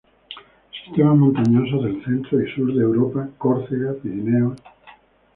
Sistemas montañosos del centro y sur de Europa, Córcega, Pirineos.